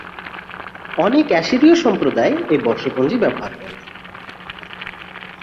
অনেক অ্যাসিরীয় সম্প্রদায় এই বর্ষপঞ্জি ব্যবহার করে।